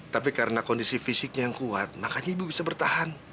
tapi karena kondisi fisiknya yang kuat makanya ibu bisa bertahan